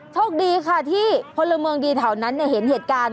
โชคดีค่ะที่พลเมืองดีแถวนั้นเห็นเหตุการณ์